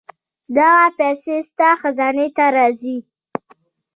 دغه پېسې ستا خزانې ته راځي.